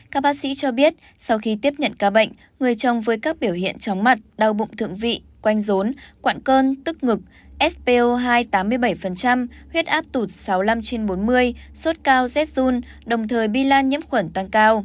các bác sĩ cho biết sau khi tiếp nhận ca bệnh người chồng với các biểu hiện chóng mặt đau bụng thượng vị quanh rốn quạn cơn tức ngực spo hai tám mươi bảy huyết áp tụt sáu mươi năm trên bốn mươi sốt cao zun đồng thời bi lan nhiễm khuẩn tăng cao